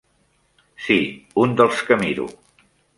Sí, un dels que miro.